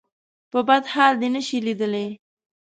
په بد حال دې نه شي ليدلی.